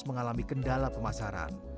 mengalami kendala pemasaran